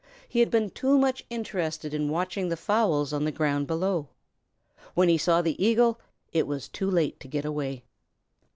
He had been too much interested in watching the fowls on the ground below. When he saw the Eagle it was too late to get away.